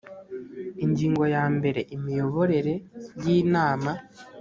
ingingo ya mbere imiyoborere y inama